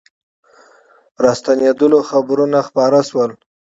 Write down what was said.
راستنېدلو خبرونه خپاره سول.